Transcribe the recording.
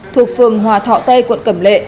thuộc phường hòa thọ tây quận cầm lệ